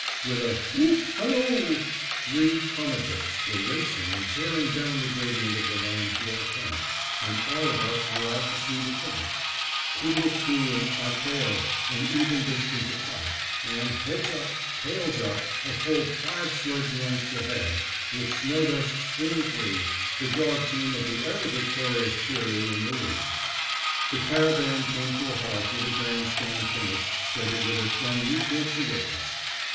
With a "Whoop halloo," three Komaticks were racing and tearing down the gradient of the land to our camp, and all of us were out to see the finish. Kudlooktoo and Arkeo an even distance apart; and, heads up, tails up, a full five sledge lengths ahead, with snowdust spinning free, the dog team of the ever victorious Peary in the lead. The caravan came to a halt with a grandstand finish that it would have done you good to witness.